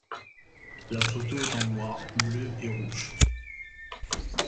La photo est en noir, bleu et rouge.